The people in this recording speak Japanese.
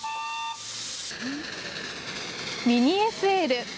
ミニＳＬ。